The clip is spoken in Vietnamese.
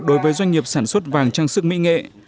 đối với doanh nghiệp sản xuất vàng trang sức mỹ nghệ